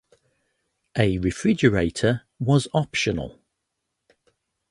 A refrigerator was optional.